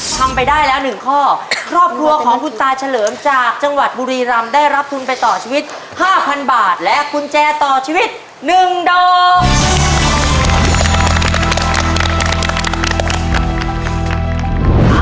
ทำไปได้แล้วหนึ่งข้อครอบครัวของคุณตาเฉลิมจากจังหวัดบุรีรำได้รับทุนไปต่อชีวิตห้าพันบาทและกุญแจต่อชีวิต๑ดอก